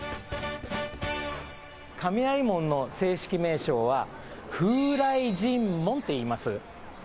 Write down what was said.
雷門の正式名称は風雷神門っていいます。